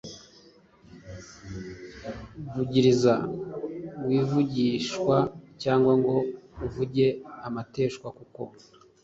Vugiriza wivugishwa cg ngo uvuge amateshwa kuko